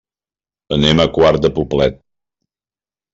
Anem a Quart de Poblet.